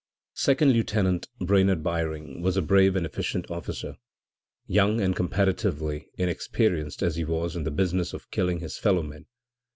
< 2 > Second Lieutenant Brainerd Byring was a brave and efficient officer, young and comparatively inexperienced as he was in the business of killing his fellow men.